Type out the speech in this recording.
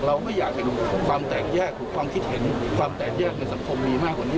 ไม่อยากเห็นความแตกแยกหรือความคิดเห็นความแตกแยกในสังคมมีมากกว่านี้